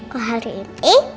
kalau hari ini